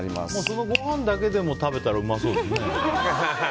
そのご飯だけでも食べたらうまそうですね。